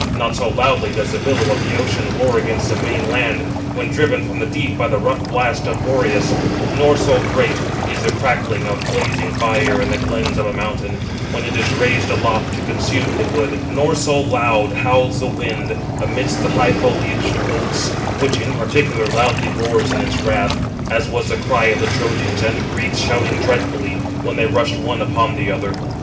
Not so loudly does the billow of the ocean roar against the main land, when driven from the deep by the rough blast of Boreas; nor so great is the crackling of blazing fire in the glens of a mountain, when it is raised aloft to consume the wood; nor so loud howls the wind amidst the high foliaged oaks (which, in particular, loudly roars in its wrath), as was the cry of the Trojans and Greeks shouting dreadfully, when they rushed one upon the other.